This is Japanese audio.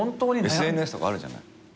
ＳＮＳとかあるじゃない。